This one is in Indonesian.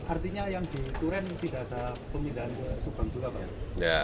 artinya yang di turen tidak ada pemindahan ke subang juga pak